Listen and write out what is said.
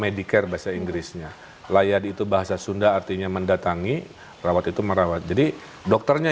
medicare bahasa inggrisnya layar itu bahasa sunda artinya mendatangi rawat itu merawat jadi dokternya